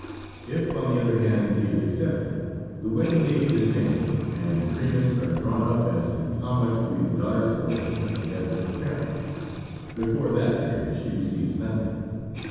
If, on the other hand, he is accepted, the wedding day is named, and agreements are drawn up as to how much will be the daughter's portion at the death of her parents. Before that period she receives nothing.